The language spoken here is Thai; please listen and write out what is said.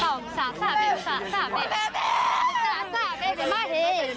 สามสาบ